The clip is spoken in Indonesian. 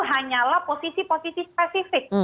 hanyalah posisi posisi spesifik